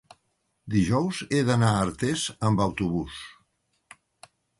dijous he d'anar a Artés amb autobús.